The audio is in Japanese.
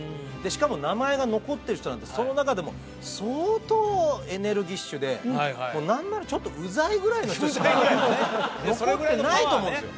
しかも名前が残ってる人なんてその中でも相当もう何ならちょっとうざいぐらいの人しか残ってないと思うんですよ